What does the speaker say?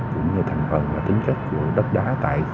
cũng như thành phần và tính chất của đất đá tại